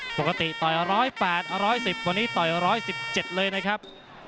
ปกติต่อ๑๐๘๑๑๐ละครวันนี้ต่อร้อย๑๗เลยนะครับ